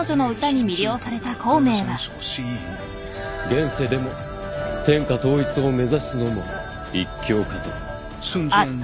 現世でも天下統一を目指すのも一興かと。